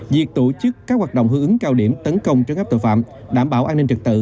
việc tổ chức các hoạt động hưởng ứng cao điểm tấn công trấn áp tội phạm đảm bảo an ninh trật tự